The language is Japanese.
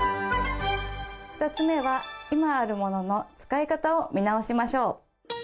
２つ目は今ある物の使い方を見直しましょう！